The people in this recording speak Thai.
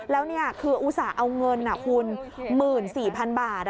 แล้วนี่คืออุตส่าห์เอาเงินคุณ๑๔๐๐๐บาท